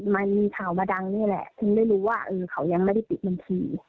มันมีข่าวมาดังนี่แหละถึงได้รู้ว่าเขายังไม่ได้ปิดบัญชี